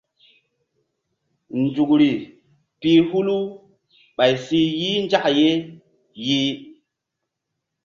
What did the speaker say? Nzukri pi hulu ɓay si yih nzak ye yih.